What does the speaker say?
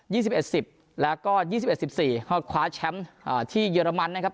ยี่สิบเอ็ดสิบแล้วก็ยี่สิบเอ็ดสิบสี่ในที่เยอรมน์นะครับ